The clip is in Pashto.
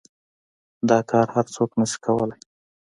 دا کار هر سوک نشي کواى.